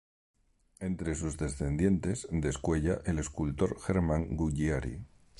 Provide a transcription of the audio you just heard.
Entre sus descendientes descuella el escultor Herman Guggiari.